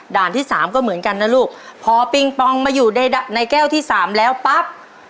ด่านที่สามก็เหมือนกันนะลูกพอปิงปองมาอยู่ในแก้วที่สามแล้วปั๊บ